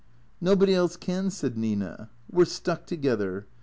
" Nobody else can," said Nina. " We 've stuck together.